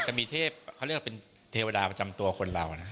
จะมีเทพเขาเรียกว่าเป็นเทวดาประจำตัวคนเรานะ